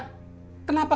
kenapa kamu mikirin akemet